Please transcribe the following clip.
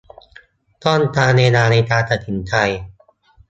ต้องการเวลาในการตัดสินใจ